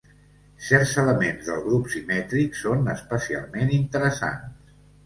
Certs elements del grup simètric són especialment interessants.